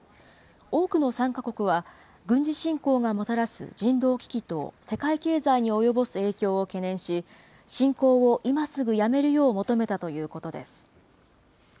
多くの参加国は、軍事侵攻がもたらす人道危機と、世界経済に及ぼす影響を懸念し、侵攻を今すぐやめるよう求めたということです。